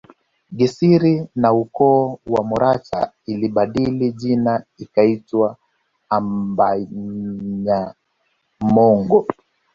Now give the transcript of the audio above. Gisiri na ukoo wa Moracha ulibadili jina ukaitwa abanyamongo